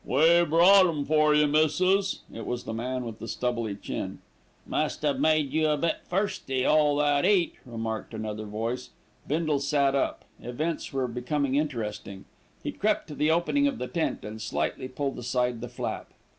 "We brought 'em for you, missis." It was the man with the stubbly chin speaking. "Must 'ave made you a bit firsty, all that 'eat," remarked another voice. Bindle sat up. Events were becoming interesting. He crept to the opening of the tent and slightly pulled aside the flap.